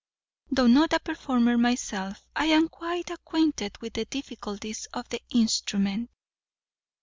Though not a performer myself, I am quite acquainted with the difficulties of the instrument."